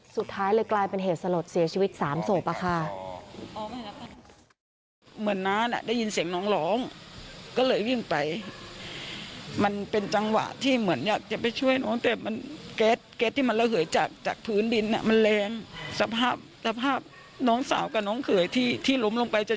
สุดท้ายเลยกลายเป็นเหตุสลดเสียชีวิต๓ศพค่ะ